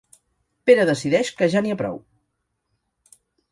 Pere decideix que ja n'hi ha prou.